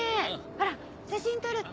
ほら写真撮るって。